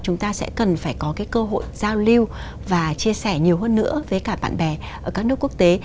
chúng ta sẽ cần phải có cái cơ hội giao lưu và chia sẻ nhiều hơn nữa với cả bạn bè ở các nước quốc tế